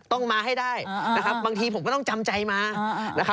ต้องมาให้ได้นะครับบางทีผมก็ต้องจำใจมานะครับ